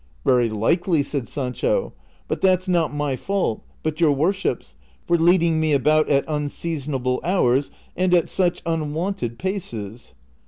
" Very likely," said Sancho, " but that 's not my fault, but your worship's, for leading me about at unseasonable hours and at such unwonted paces."